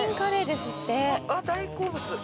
あっ大好物。